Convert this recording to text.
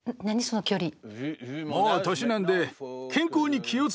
その距離。